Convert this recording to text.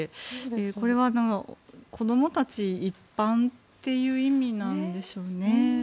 これは子供たち、一般という意味なんでしょうね。